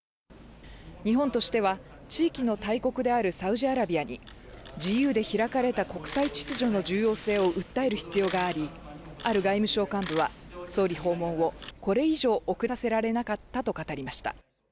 日本としては地域の大国であるサウジアラビアに自由で開かれた国際秩序の重要性を訴える必要があり、ある外務省幹部は総理訪問をこれ以上、遅らせられなかったと語りました。